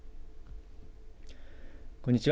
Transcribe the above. こんにちは。